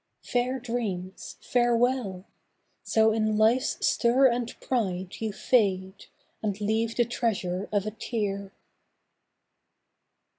Fair dreams, farewell! So in life's stir and pride You fade, and leave the treasure of a tear!